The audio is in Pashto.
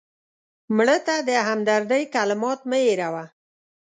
مړه ته د همدردۍ کلمات مه هېروه